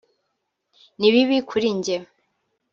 ni bibi kuri njye